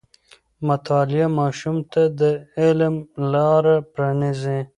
مطالعه ماشوم ته د علم لاره پرانیزي.